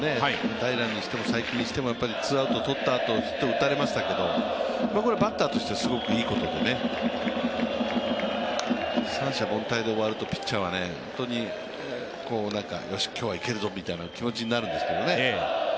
平良にしても才木にしても、ツーアウトを取ったあと、ヒットを打たれましたけど、バッターとしてはすごくいいことで、三者凡退で終わるとピッチャーは本当によし、今日はいけるぞみたいな気持ちになるんですけどね。